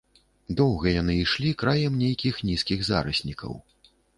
Доўга яны ішлі краем нейкіх нізкіх зараснікаў.